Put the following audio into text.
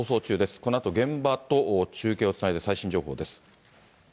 このあと現場と中継をつないで最新情報です。